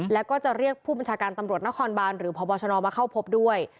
แล้วก็จะเรียกผู้บัญชาการตำรวจนครบานหรือพบชนมาเข้าพบด้วย